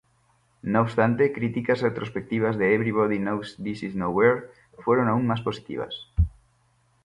No obstante, críticas retrospectivas de "Everybody Knows This Is Nowhere" fueron aún más positivas.